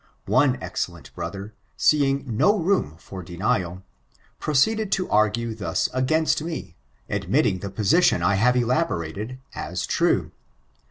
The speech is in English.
One excellent brother, seeing no room for denial, proceeded to argue dius against me, admitting the position I have elaborated, as true.